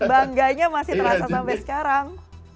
bangganya masih terasa sampai sekarang